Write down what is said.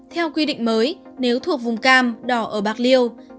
theo quy định mới nếu thuộc vùng cam đỏ ở bạc liêu